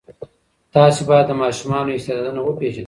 تاسې باید د ماشومانو استعدادونه وپېژنئ.